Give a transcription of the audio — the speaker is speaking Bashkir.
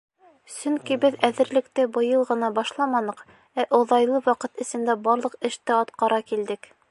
Сөнки беҙ әҙерлекте быйыл ғына башламаныҡ, ә оҙайлы ваҡыт эсендә барлыҡ эште атҡара килдек.